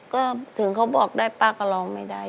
ก็ถึงเขาบอกได้ป้าก็ร้องไม่ได้